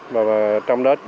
và trong đó